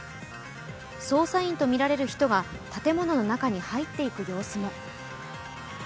捜査員とみられる人が建物の中に入っていく様子も。